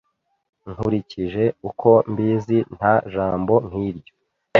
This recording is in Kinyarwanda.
Nkurikije uko mbizi, nta jambo nk'iryo.